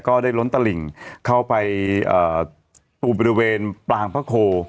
ก็ได้ล้นตลิ่งเข้าไปตูมบริเวณปลางพระโค